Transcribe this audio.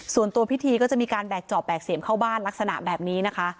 ส่วนตัวพิธีก็จะมีการแบกจอบแบกเสียมเข้าบ้านลักษณะแบบนี้นะคะ